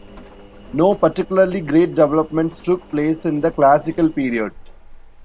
No particularly great developments took place in the Classical Period.